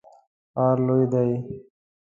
ښار لوی دی